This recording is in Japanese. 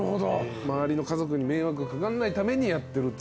周りの家族に迷惑が掛かんないためにやってるという。